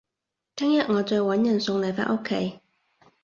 聽日我再搵人送你返屋企